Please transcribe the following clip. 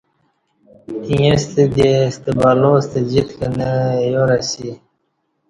ییݩستہ دی ستہ بلا ستہ جِیت کنہ دی ایار اسی